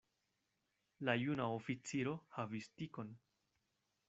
La juna oficiro havis tikon.